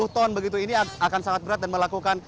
sepuluh ton begitu ini akan sangat berat dan melakukan